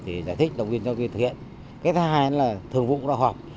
thì giải thích đồng viên giáo viên thực hiện cái thứ hai là thường vụ đoàn họp